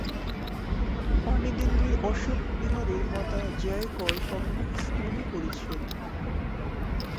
বাণী দিল্লীর অশোক বিহারের 'মাতা জ্যায় কর পাবলিক স্কুল' এ পড়েছেন।